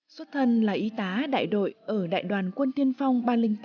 xuất thân là y tá đại đội ở đại đoàn quân tiên phong ba trăm linh tám